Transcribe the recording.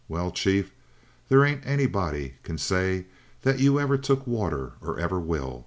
Well, chief, they ain't nobody can say that you ever took water or ever will.